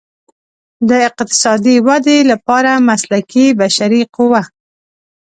د اقتصادي ودې لپاره مسلکي بشري قوه.